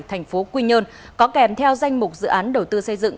thành phố quy nhơn có kèm theo danh mục dự án đầu tư xây dựng